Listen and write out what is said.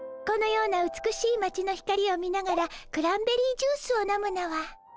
このような美しいまちの光を見ながらクランベリージュースを飲むのは。